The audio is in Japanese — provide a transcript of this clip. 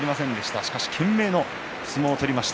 しかし、懸命の相撲を取りました。